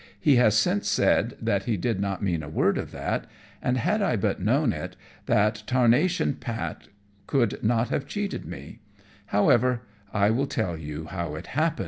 He has since said that he did not mean a word of that; and, had I but known it, that tarnation Pat could not have cheated me; however I will tell you how it happened.